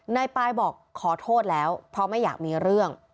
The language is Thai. นายปายบอกขอโทษแล้วเพราะไม่อยากมีเรื่อง